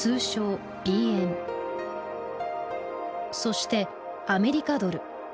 そして「アメリカドル」。